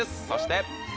そして。